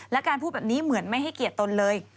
และการพูดแบบนี้เหมือนไม่ให้เกียรติตนเลย